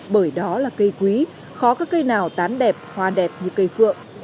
bởi đó là cây quý khó có cây nào tán đẹp hoa đẹp như cây phượng